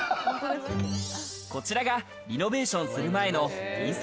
こちらがリノベーションする前の印刷